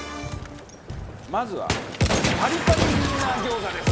まずはパリパリウインナー餃子です！